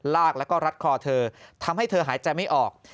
ลากแล้วก็รัดคอเธอทำให้เธอหายใจไม่ออก